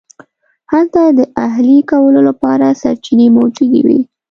هلته د اهلي کولو لپاره سرچینې موجودې وې.